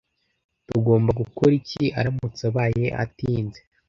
Tugomba gukora iki aramutse abaye atinze?